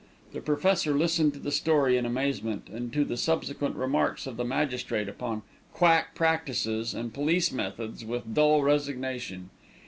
The Professor listened to the story in amazement, and to the subsequent remarks of the magistrate upon quack practices and police methods with dull resignation.